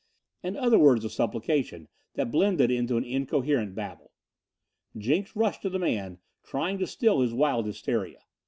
and other words of supplication that blended into an incoherent babel. Jenks rushed to the man, trying to still his wild hysteria.